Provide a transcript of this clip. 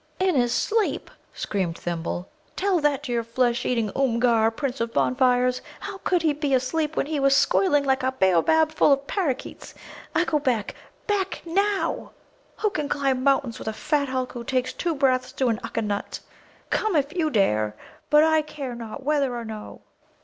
"In his sleep!" screamed Thimble. "Tell that to your flesh eating Oomgar, Prince of Bonfires! How could he be asleep, when he was squealing like a Bōōbab full of parakeets? I go back back now. Who can climb mountains with a fat hulk who takes two breaths to an Ukka nut? Come, if you dare! But I care not, whether or no."